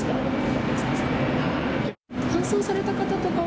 搬送された方とかは？